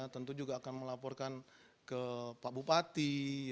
tentu juga akan melaporkan ke pak bupati